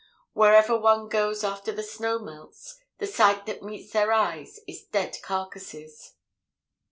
Wherever one goes after the snow melts, the sight that meets their eyes is dead carcases.